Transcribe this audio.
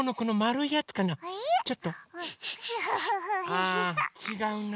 あちがうな。